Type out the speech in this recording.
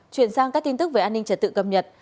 chuyển sang các tin tức về an ninh trật tự cập nhật